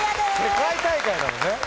世界大会なのね。